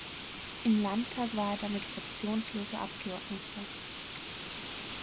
Im Landtag war er damit fraktionsloser Abgeordneter.